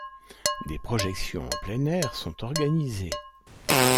Des projections en plein air sont organisées.